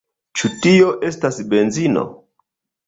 Ĉu tio estas benzino?